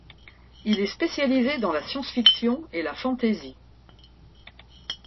Il est spécialisé dans la science-fiction et la fantasy.